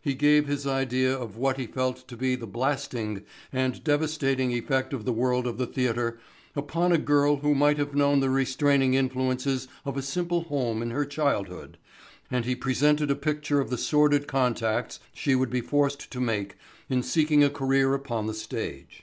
He gave his idea of what he felt to be the blasting and devastating effect of the world of the theatre upon a girl who might had known the restraining influences of a simple home in her childhood and he presented a picture of the sordid contacts she would be forced to make in seeking a career upon the stage.